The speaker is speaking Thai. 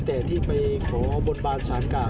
แต่ที่ไปขอบนบานสารกล่าว